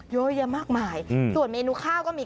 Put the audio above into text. เยอะแยะมากมายส่วนเมนูข้าวก็มี